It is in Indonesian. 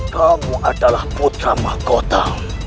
kamu adalah putra mahkota